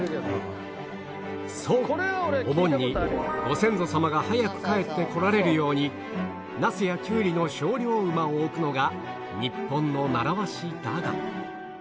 そうお盆にご先祖様が早く帰ってこられるようにナスやキュウリの精霊馬を置くのが日本の習わしだが